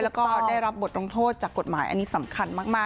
แล้วก็ได้รับบทลงโทษจากกฎหมายอันนี้สำคัญมาก